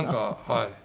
はい。